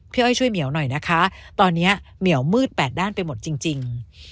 อ้อยช่วยเหมียวหน่อยนะคะตอนนี้เหมียวมืดแปดด้านไปหมดจริง